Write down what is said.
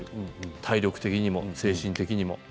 体力的にも、精神的にも。